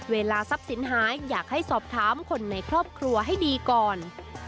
เวลาทรัพย์สินหายอยากให้สอบถามคนในครอบครัวให้ดีก่อน